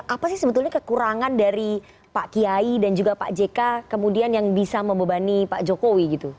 apa sih sebetulnya kekurangan dari pak kiai dan juga pak jk kemudian yang bisa membebani pak jokowi gitu